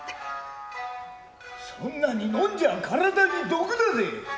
そんなにのんじゃ身体に毒だぜ。